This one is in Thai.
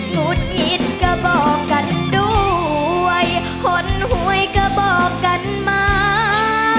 หุดหงิดก็บอกกันด้วยคนหวยก็บอกกันมา